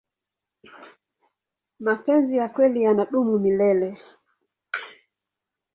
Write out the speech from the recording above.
mapenzi ya kweli yanadumu milele